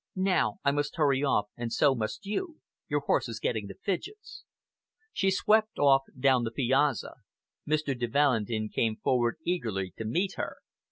Now I must hurry off, and so must you! Your horse is getting the fidgets." She swept off down the piazza. Mr. de Valentin came forward eagerly to meet her.